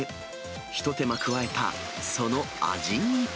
一手間加えたその味に。